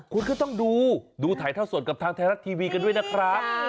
คุณก็ต้องดูดูถ่ายเท่าสดกับทางไทยรัฐทีวีกันด้วยนะครับ